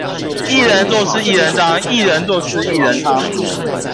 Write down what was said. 一人做事一人當，薏仁做事薏仁湯